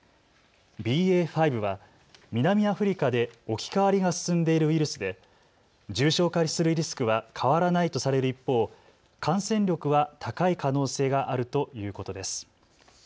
ＢＡ．５は南アフリカで置き換わりが進んでいるウイルスで重症化するリスクは変わらないとされる一方、感染力は高い可能性があるということです。